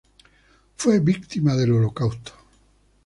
Fue víctima del Holocausto.